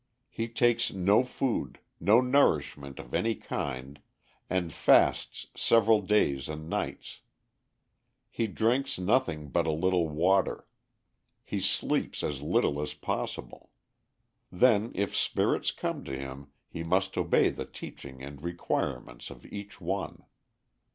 He takes no food, no nourishment of any kind, and fasts several days and nights. He drinks nothing but a little water. He sleeps as little as possible. Then if spirits come to him he must obey the teachings and requirements of each one.